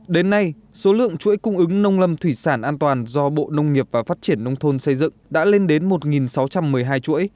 đến nay số lượng chuỗi cung ứng nông lâm thủy sản an toàn do bộ nông nghiệp và phát triển nông thôn xây dựng đã lên đến một sáu trăm một mươi hai chuỗi